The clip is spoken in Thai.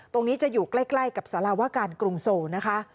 ตรงนี้จะอยู่ใกล้กับสารวการกรุงโซนะคะ